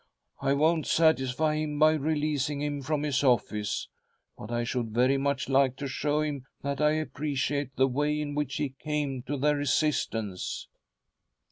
I won't satisfy him by releasing him from his office, but I should very much like to show him that I appreciate the way in which he came to their assistance."